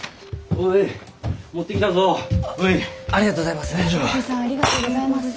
おじさんありがとうございます。